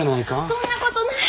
そんなことない！